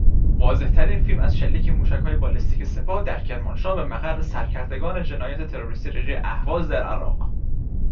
واضح ترین فیلم از شلیک موشکهای بالستیک سپاه در کرمانشاه به مقر سرکردگان جنایت تروریستی رژه اهواز در عراق